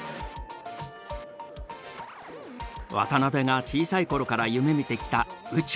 渡辺が小さい頃から夢みてきた宇宙。